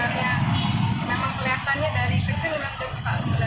dan sejak corona ini dia lebih mendalami talentanya